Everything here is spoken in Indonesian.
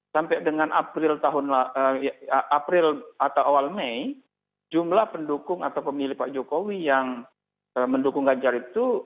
sampai dengan april atau awal mei jumlah pendukung atau pemilih pak jokowi yang mendukung ganjar itu